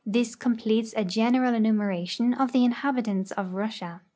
This completes a general enumeration of the inhabitants of Russia.